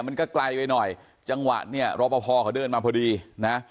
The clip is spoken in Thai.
มันก็ไกลไปหน่อยจังหวะเนี่ยรอปภเขาเดินมาพอดีนะ